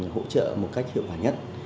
hỗ trợ một cách hiệu quả nhất